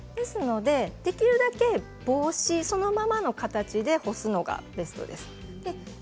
できるだけ帽子そのままの形で干すのがベストです。